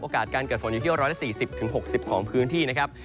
การเกิดฝนอยู่ที่๑๔๐๖๐ของพื้นที่นะครับ